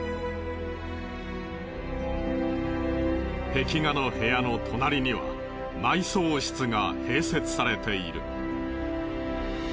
壁画の部屋の隣には埋葬室が併設されている。